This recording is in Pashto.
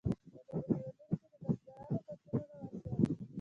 په نورو هیوادونو کې د بزګرانو پاڅونونه وشول.